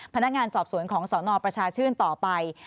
พนักงานสอบสวนของสนประชาชื่นต่อไป